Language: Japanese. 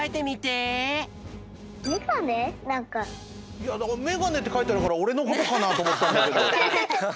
いやだからめがねってかいてあるからおれのことかなっておもったんだけど。